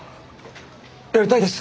やりたいです！